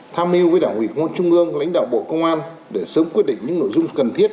tham hiu với đảng ủy trung ương lãnh đạo bộ công an để sớm quyết định những nội dung cần thiết